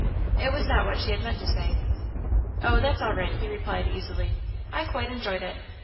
It was not what she had meant to say. "Oh, that's all right," he replied, easily; "I quite enjoyed it.